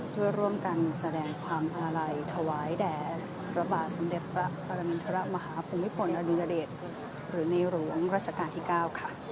เพื่อร่วมกันแสดงความอาลัยถวายแดดระบาดสำเร็จประปรมินทรมาฮาปุ่มญี่ปุ่นอดินเยอเดชหรือในหลวงรัศกาลที่๙ค่ะ